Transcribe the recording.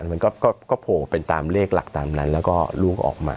มันก็โผล่เป็นตามเลขหลักตามนั้นแล้วก็ลูกออกมา